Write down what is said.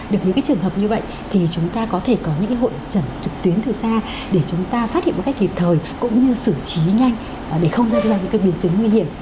được những cái trường hợp như vậy thì chúng ta có thể có những cái hội trận trực tuyến từ xa để chúng ta phát hiện một cách kịp thời cũng như xử trí nhanh để không ra những cái biến chứng nguy hiểm